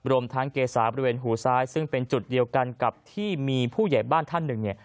รวมทั้งเกษาบริเวณหูซ้ายซึ่งเป็นจุดเดียวกันกับที่มีผู้ใหญ่บ้านท่านหนึ่งเนี่ย